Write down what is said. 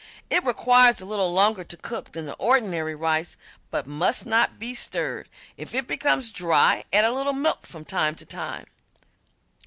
It requires a little longer to cook than the ordinary rice, but must not be stirred. If it becomes dry add a little milk from time to time.